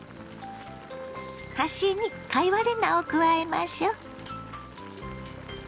端に貝割れ菜を加えましょ。